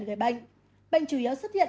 gây bệnh bệnh chủ yếu xuất hiện